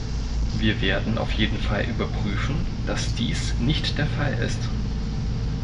Wir werden auf jeden Fall überprüfen, dass dies nicht der Fall ist.